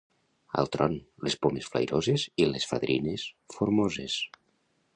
Altron, les pomes flairoses i les fadrines formoses.